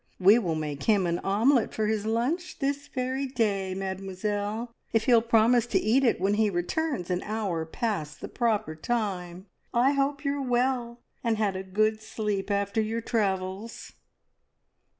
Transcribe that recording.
We will make him an omelette for his lunch this very day, Mademoiselle, if he'll promise to eat it when he returns an hour past the proper time! I hope you're well, and had a good sleep after your travels."